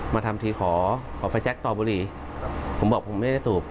มาทำถียขอออกไฟแจ็คตอบบุหรีผมบอกผมไม่ได้ถูก